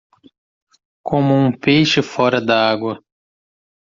Como um peixe fora da agua.